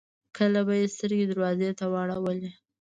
کله به يې سترګې دروازې ته واړولې.